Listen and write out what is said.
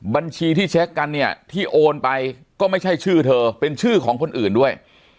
บัญชีที่เช็คกันเนี่ยที่โอนไปก็ไม่ใช่ชื่อเธอเป็นชื่อของคนอื่นด้วย